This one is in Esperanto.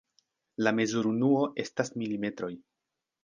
La mezurunuo estas mm.